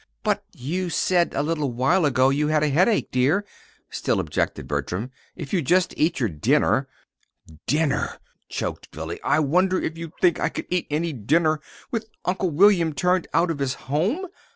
"But you said a little while ago you had a headache, dear," still objected Bertram. "If you'd just eat your dinner!" "Dinner!" choked Billy. "I wonder if you think I could eat any dinner with Uncle William turned out of his home!